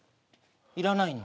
いらないの？